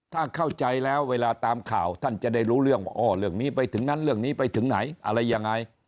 ถ้าเข้าใจแล้วเวลาตามข่าวท่านจะได้รู้เรื่องว่าอ้อเรื่องนี้ไปถึงนั้นเรื่องนี้ไปถึงไหนอะไรยังไง